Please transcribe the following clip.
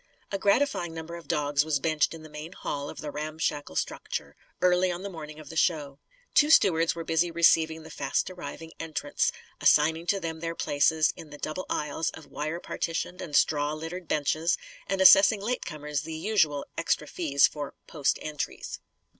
A gratifying number of dogs was benched in the main hall of the ramshackle structure; early on the morning of the show. Two stewards were busy receiving the fast arriving entrants, assigning to them their places in the double aisles of wire partitioned and straw littered "benches," and assessing late comers the usual extra fees for "post entries."